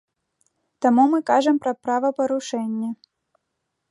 Таму мы кажам пра правапарушэнне.